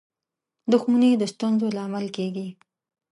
• دښمني د ستونزو لامل کېږي.